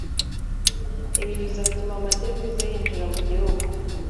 ibi bizatuma amadevize yinjira mu gihugu